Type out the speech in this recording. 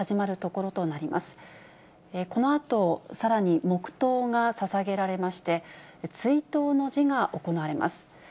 このあとさらに黙とうがささげられまして、追悼の辞が行われます。